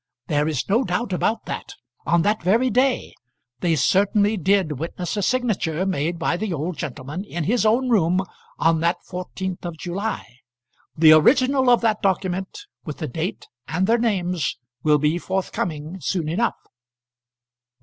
There is no doubt about that; on that very day. They certainly did witness a signature made by the old gentleman in his own room on that 14th of July. The original of that document, with the date and their names, will be forthcoming soon enough."